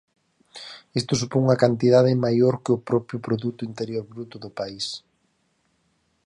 Isto supón unha cantidade maior que o propio produto interior bruto do país.